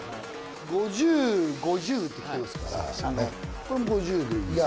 ５０、５０ってきてますから、これも５０でいいですか？